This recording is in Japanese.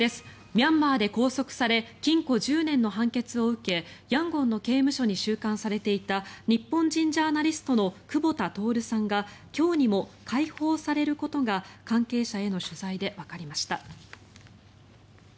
ミャンマーで拘束され禁錮１０年の判決を受けヤンゴンの刑務所に収監されていた日本人ジャーナリストの久保田徹さんが今日にも解放されることが関係者への取材でわかりました。